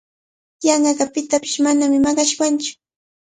Yanqaqa pitapish manami maqashwantsu.